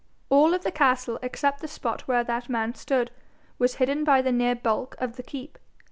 All of the castle except the spot where that man stood, was hidden by the near bulk of the keep.